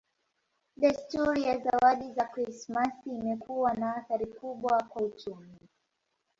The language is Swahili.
Desturi ya zawadi za Krismasi imekuwa na athari kubwa kwa uchumi.